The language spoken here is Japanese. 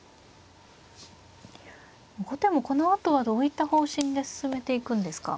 後手もこのあとはどういった方針で進めていくんですか。